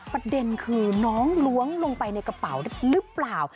ประเด็นคือน้องล้วงลงไปในกระเป๋าหรือเปล่า